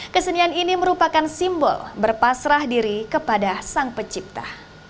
kesenian ini merupakan simbol berpasrah diri kepada sang pencipta